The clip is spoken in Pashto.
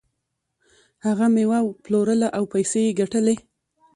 هغه میوه پلورله او پیسې یې ګټلې.